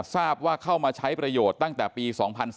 ทราบว่าเข้ามาใช้ประโยชน์ตั้งแต่ปี๒๔